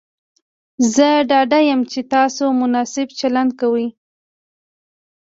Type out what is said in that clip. زه ډاډه یم چې تاسو مناسب چلند کوئ.